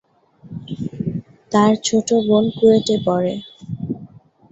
তার ছোট বোন কুয়েটে পড়ে।